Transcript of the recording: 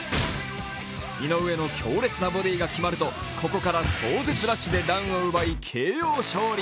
井上の強烈なボディーが決まるとここから壮絶ラッシュでダウンを奪いＴＫＯ勝利。